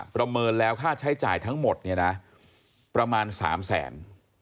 ประเมินแล้วค่าใช้จ่ายทั้งหมดเนี่ยนะประมาณ๓แสน